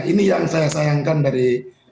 ini yang saya sayangkan dari